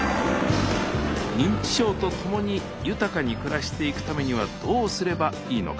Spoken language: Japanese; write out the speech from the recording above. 認知症とともに豊かに暮らしていくためにはどうすればいいのか。